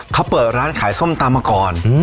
เขาเปิดร้านขายส้มตำมาก่อน